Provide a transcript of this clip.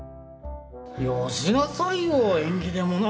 よしなさいよ縁起でもない。